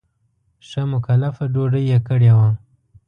ښه مکلفه ډوډۍ یې کړې وه.